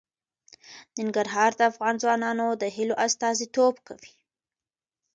ننګرهار د افغان ځوانانو د هیلو استازیتوب کوي.